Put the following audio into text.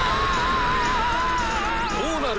どうなる？